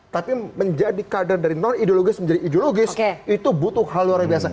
tapi menjadi kader dari non ideologis menjadi ideologis itu butuh hal luar biasa